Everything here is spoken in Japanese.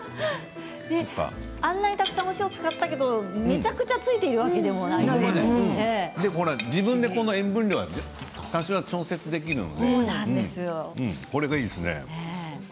あんなに、たくさんお塩を使ったけど、めちゃくちゃしかも自分で塩分量は多少は調節できるからこれがいいですね。